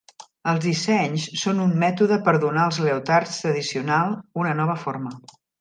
Els dissenys són un mètode per donar als leotards tradicional una nova forma.